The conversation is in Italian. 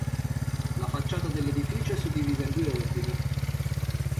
La facciata dell'edificio è suddivisa in due ordini.